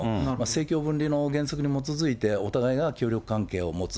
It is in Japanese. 政教分離の原則に基づいてお互いが協力関係を持つ。